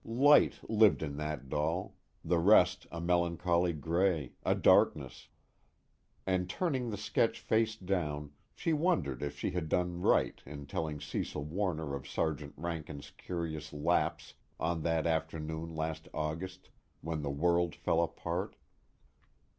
Light lived in that doll, the rest a melancholy gray, a darkness. And turning the sketch face down, she wondered if she had done right in telling Cecil Warner of Sergeant Rankin's curious lapse on that afternoon last August when the world fell apart.